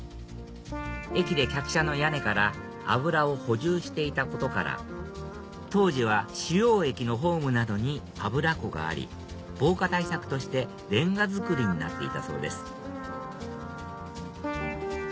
駅で客車の屋根から油を補充していたことから当時は主要駅のホームなどに油庫があり防火対策としてレンガ造りになっていたそうです